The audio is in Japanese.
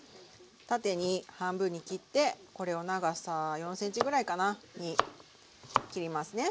縦に半分に切ってこれを長さ４ｃｍぐらいかなに切りますね。